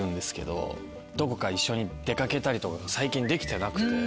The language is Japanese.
どこか一緒に出掛けたりとかが最近できてなくて。